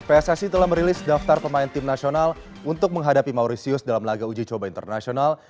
pssi telah merilis daftar pemain tim nasional untuk menghadapi mauritisius dalam laga uji coba internasional